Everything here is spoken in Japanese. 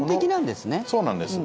そうなんです。